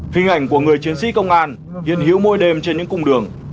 kinh ảnh của người chiến sĩ công an hiện hiếu mỗi đêm trên những cung đường